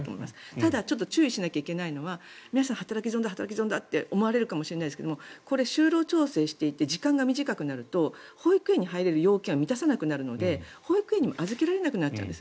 ただ、注意しなきゃいけないのは皆さん、働き損だって思うかもしれませんが就労調整して時間が短くなると保育園に入れる要件を満たせなくなるので保育園に預けられなくなるんです。